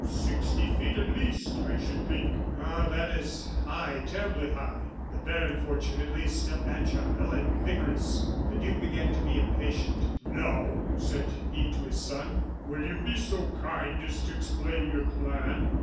Sixty feet, at least, I should think." "Ah, that is high, terribly high. The baron fortunately is still agile and vigorous." The duke began to be impatient. "Now," said he to his son, "will you be so kind as to explain your plan?"